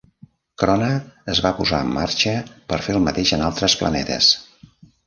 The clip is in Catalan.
Krona es va posar en marxa per fer el mateix en altres planetes.